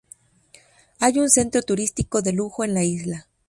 Hay un centro turístico de lujo en la isla.